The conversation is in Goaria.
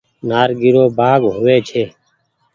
نآريگي رو ڀآگ هووي ڇي۔